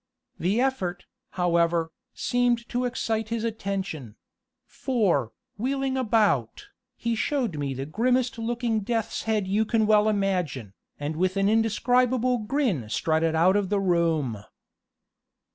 The effort, however, seemed to excite his attention; for, wheeling about, he showed me the grimmest looking death's head you can well imagine, and with an indescribable grin strutted out of the room."